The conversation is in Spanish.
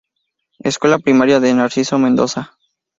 Escuela Primaria Narciso Mendoza.